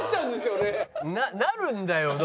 なるんだよ。